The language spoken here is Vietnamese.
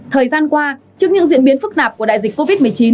thời gian qua trước những diễn biến phức tạp của đại dịch covid một mươi chín